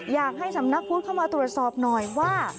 อยากให้สำนักพุทธเข้ามาตรวจสอบหน่อยว่า